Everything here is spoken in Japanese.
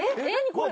これ。